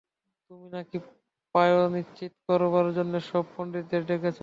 তুমি নাকি প্রায়শ্চিত্ত করবার জন্যে সব পণ্ডিতদের ডেকেছ?